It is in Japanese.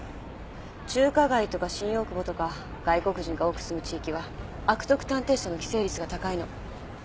中華街とか新大久保とか外国人が多く住む地域は悪徳探偵社の寄生率が高いの。